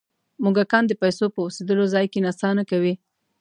موږکان د پیسو په اوسېدلو ځای کې نڅا نه کوي.